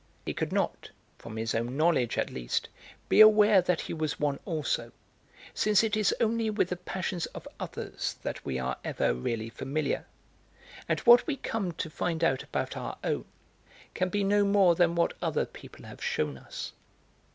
He could not (from his own knowledge, at least) be aware that he was one also, since it is only with the passions of others that we are ever really familiar, and what we come to find out about our own can be no more than what other people have shewn us.